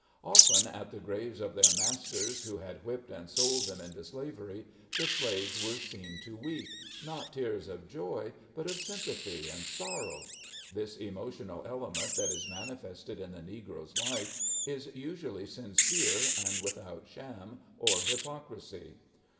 Often at the graves of their masters, who had whipped and sold them into slavery, the slaves were seen to weep, not tears of joy, but of sympathy and sorrow. This emotional element that is manifested in the Negro's life is usually sincere and without sham or hypocrisy.